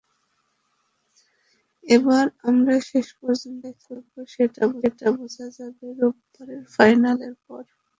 এবার আমরা শেষ পর্যন্ত কোথায় থাকব, সেটি বোঝা যাবে রোববারের ফাইনালের পর।